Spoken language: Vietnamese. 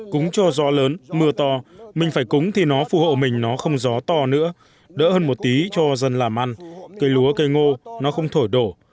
cúng cho gió lớn mưa to mình phải cúng thì nó phù hộ mình nó không gió to nữa đỡ hơn một tí cho dân làm ăn cây lúa cây ngô nó không thổi đổ